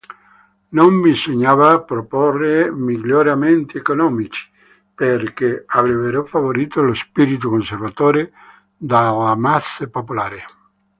Non bisognava proporre miglioramenti economici, perché avrebbero favorito lo spirito conservatore delle masse popolari.